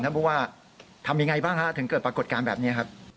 ผู้ว่าทำยังไงบ้างฮะถึงเกิดปรากฏการณ์แบบนี้ครับ